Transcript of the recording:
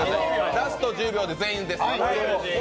ラスト１０秒で全員です。